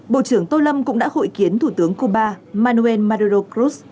bộ trưởng tô lâm cũng đã hội kiến thủ tướng cuba manuel maduro krus